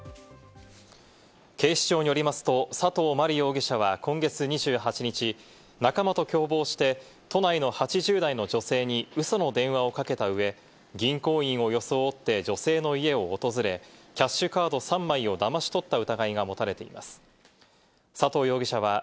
警視庁によりますと、佐藤真梨容疑者は今月２８日、仲間と共謀して、都内の８０代の女性にうその電話をかけた上、銀行員を装って女性の家を訪れ、キャッシュカード３枚をだまし取った疑いが持たれています。